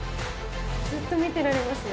ずっと見てられますね。